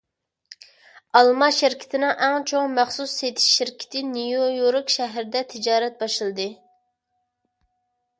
ئالما شىركىتىنىڭ ئەڭ چوڭ مەخسۇس سېتىش شىركىتى نيۇ يورك شەھىرىدە تىجارەت باشلىدى.